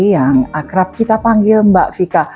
yang akrab kita panggil mbak vika